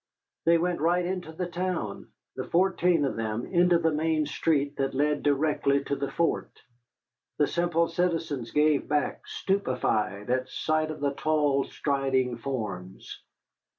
They went right into the town, the fourteen of them, into the main street that led directly to the fort. The simple citizens gave back, stupefied, at sight of the tall, striding forms.